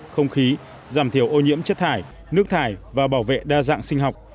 không khí giảm thiểu ô nhiễm chất thải nước thải và bảo vệ đa dạng sinh học